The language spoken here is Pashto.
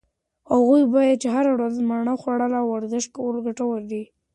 هغه وایي چې هره ورځ مڼه خوړل او ورزش کول ګټور دي.